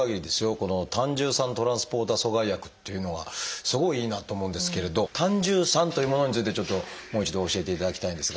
この胆汁酸トランスポーター阻害薬っていうのはすごいいいなと思うんですけれど「胆汁酸」というものについてちょっともう一度教えていただきたいんですが。